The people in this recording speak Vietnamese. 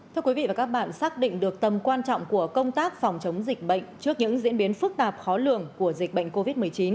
thưa quý vị và các bạn xác định được tầm quan trọng của công tác phòng chống dịch bệnh trước những diễn biến phức tạp khó lường của dịch bệnh covid một mươi chín